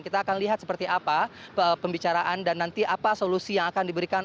kita akan lihat seperti apa pembicaraan dan nanti apa solusi yang akan diberikan